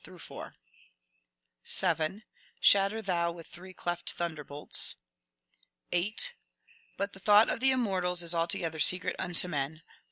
7. ^^ Shatter thou with three cleft thunderbolts !*' 8. ^^ But the thought of the immortals is altogether secret unto men."